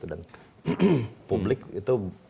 dan publik itu